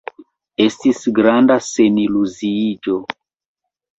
Estis granda seniluziiĝo.